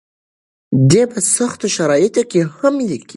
دی په سختو شرایطو کې هم لیکي.